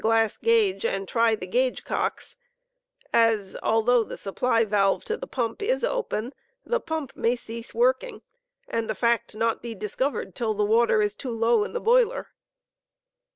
glass gauge and try the gauge cocks, as, although the supply valve to the pump is open, the pump may cease working, and the fact not be discov ered till the water is too low in the boiler.